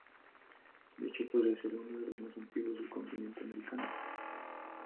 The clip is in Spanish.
De hecho, podría ser uno de los más antiguos del continente americano.